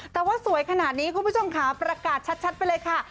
แต่ว่าสวยขนาดนี้คุณผู้ชมค่ะประกาศชัดไปเลยค่ะ